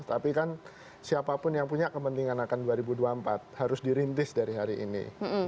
tapi kan siapapun yang punya kepentingan akan dua ribu dua puluh empat harus dirintis dari hari ini